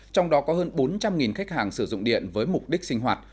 trong đó có hơn bốn trăm linh khách hàng sử dụng điện với mục đích sinh hoạt